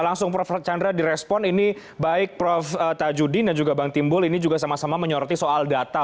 langsung prof chandra direspon ini baik prof tajudin dan juga bang timbul ini juga sama sama menyoroti soal data